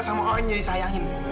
untuk menjauhkan camilla